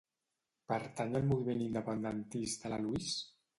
Pertany al moviment independentista la Louise?